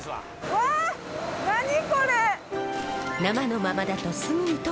うわ何これ？